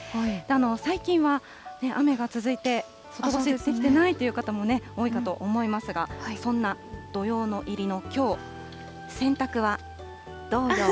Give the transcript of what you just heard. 最近は雨が続いて、外干しができてないという方も多いかと思いますが、そんな土用の入りのきょう、洗濯はどうよう？